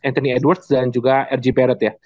anthony edwards dan juga rg barrett ya